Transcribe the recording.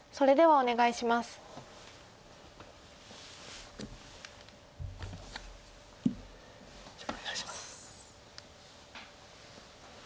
お願いします。